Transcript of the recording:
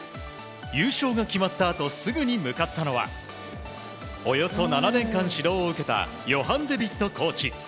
優勝が決まったあとすぐに向かったのはおよそ７年間指導を受けたヨハン・デビットコーチ。